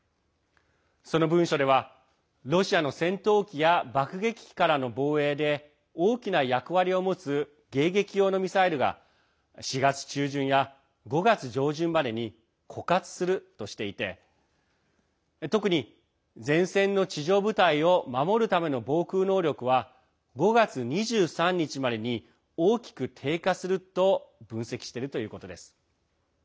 その文書では、ロシアの戦闘機や爆撃機からの防衛で大きな役割を持つ迎撃用のミサイルが４月中旬や５月上旬までに枯渇するとしていて特に前線の地上部隊を守るための防空能力は５月２３日までに大きく低下すると分析しているということです。